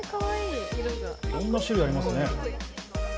いろんな種類、ありますね。